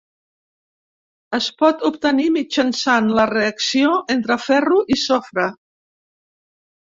Es pot obtenir mitjançant la reacció entre ferro i sofre.